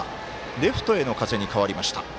レフトへの風に変わりました。